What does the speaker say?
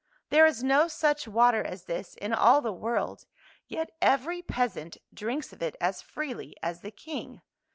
There is no such water as this in all the world, yet every peasant drinks of it as freely as the King.